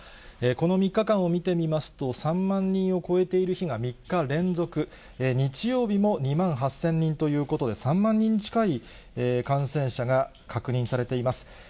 この３日間を見てみますと、３万人を超えている日が３日連続、日曜日も２万８０００人ということで、３万人近い感染者が確認されています。